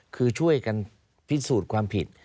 คือช่วยกันพิสูจน์ความผิด